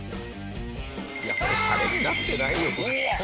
いやこれシャレになってない。